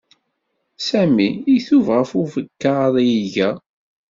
Sami itub ɣef ubekkaḍ ay iga.